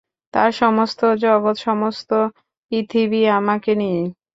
তাঁর সমস্ত জগৎ, সমস্ত পৃথিবী আমাকে নিয়েই।